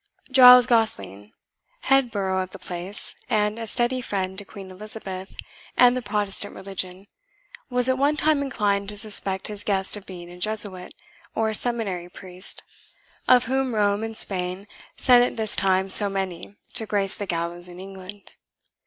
Giles Gosling, head borough of the place, and a steady friend to Queen Elizabeth and the Protestant religion, was at one time inclined to suspect his guest of being a Jesuit, or seminary priest, of whom Rome and Spain sent at this time so many to grace the gallows in England.